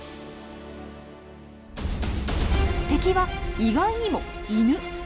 敵は意外にもイヌ。